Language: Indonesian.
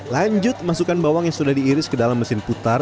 lanjut masukkan bawang yang sudah diiris ke dalam mesin putar